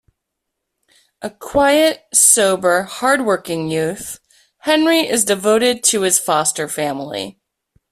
A quiet, sober, hard-working youth, Henry is devoted to his foster family.